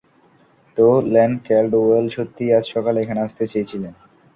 তো, Len Caldwell সত্যিই আজ সকালে এখানে আসতে চেয়েছিলেন।